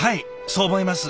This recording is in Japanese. そう思います。